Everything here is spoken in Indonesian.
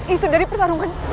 itu dari pertarungan